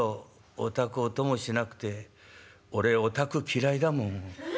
お宅お供しなくて俺お宅嫌いだもん。